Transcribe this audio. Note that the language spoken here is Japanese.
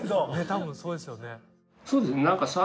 多分そうですよね。